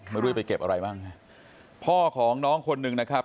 ไม่รู้ไปเก็บอะไรบ้างนะพ่อของน้องคนหนึ่งนะครับ